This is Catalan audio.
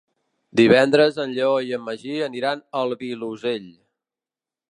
Divendres en Lleó i en Magí aniran al Vilosell.